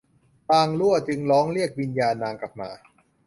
บ่างลั่วจึงร้องเรียกเอาวิญญาณนางกลับมา